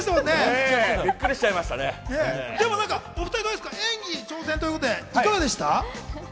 でも、お２人、演技に挑戦ということでいかがでした？